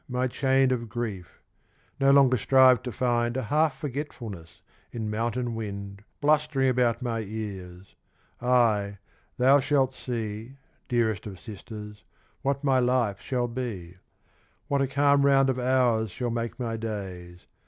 My chain of grid : no longer strive to find A half forgetfulness in mountain wind Blustering about niy ears : aye, thou shalt see, Dearest of sisters, what my life shall be ; What a calm round of hours shall make my days.